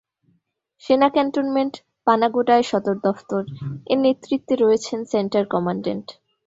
সেনা ক্যান্টনমেন্ট, পানাগোডায় সদর দফতর, এর নেতৃত্বে রয়েছেন সেন্টার কমান্ড্যান্ট।